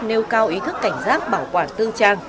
nêu cao ý thức cảnh giác bảo quản tư trang